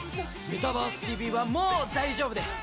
「メタバースＴＶ！！」はもう大丈夫です！